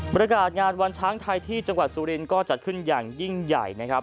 งานวันช้างไทยที่จังหวัดสุรินทร์ก็จัดขึ้นอย่างยิ่งใหญ่นะครับ